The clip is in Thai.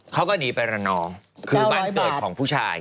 เขาก็หนีไประนองคือบ้านเกิดของผู้ชาย